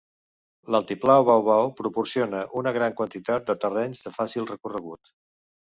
L'altiplà Baw Baw proporciona una gran quantitat de terrenys de fàcil recorregut.